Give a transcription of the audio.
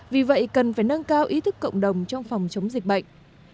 vì vậy cần phải nâng cao ý thức cộng đồng trong phòng chống dịch bệnh